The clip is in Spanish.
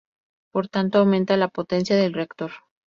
Por tanto aumenta la potencia del reactor.